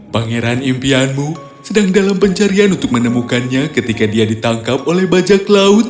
pangeran impianmu sedang dalam pencarian untuk menemukannya ketika dia ditangkap oleh bajak laut